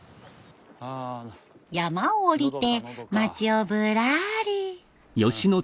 山を下りて町をぶらり。